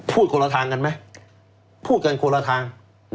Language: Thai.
พูดคนละทางกันได้ไหมพูดคนละทาง